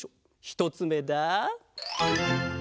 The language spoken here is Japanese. ひとつめだ！